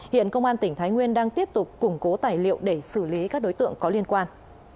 hiện công an tỉnh thái nguyên đang tiếp tục củng cố tài liệu để xử lý các đối tượng có liên quan